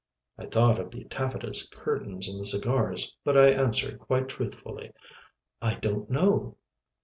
I thought of the taffetas curtains and the cigars, but I answered quite truthfully. "I don't know."